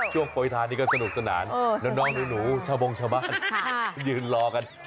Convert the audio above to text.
โปรยทานนี้ก็สนุกสนานน้องหนูชาวบงชาวบ้านยืนรอกัน